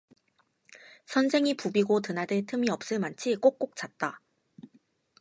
선생이 부비고 드나들 틈이 없을 만치 꼭꼭 찼다.